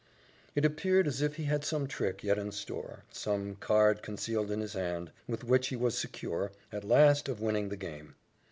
It appeared as if he had some trick yet in store some card concealed in his hand, with which he was secure, at last, of winning the game.